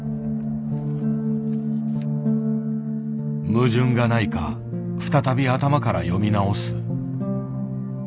矛盾がないか再び頭から読み直す。